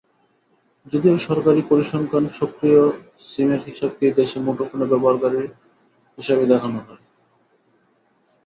যদিও সরকারি পরিসংখ্যানে সক্রিয় সিমের হিসাবকেই দেশে মুঠোফোন ব্যবহারকারী হিসাবে দেখানো হয়।